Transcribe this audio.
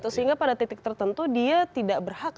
sehingga pada titik tertentu dia tidak berhak